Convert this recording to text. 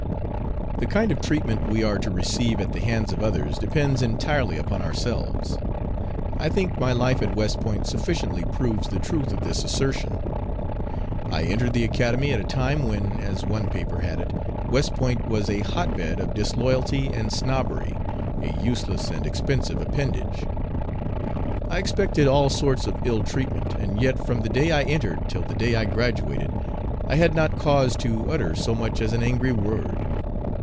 The kind of treatment we are to receive at the hands of others depends entirely upon ourselves. I think my life at West Point sufficiently proves the truth of this assertion. I entered the Academy at a time when, as one paper had it, West Point was a "hotbed of disloyalty and snobbery, a useless and expensive appendage." I expected all sorts of ill treatment, and yet from the day I entered till the day I graduated I had not cause to utter so much as an angry word.